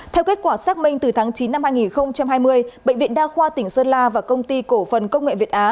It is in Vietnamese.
theo kết quả xác minh từ tháng chín năm hai nghìn hai mươi bệnh viện đa khoa tỉnh sơn la và công ty cổ phần công nghệ việt á